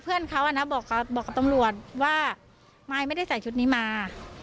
เพื่อนเขาอ่ะนะบอกกับตำรวจว่ามายไม่ได้ใส่ชุดนี้มา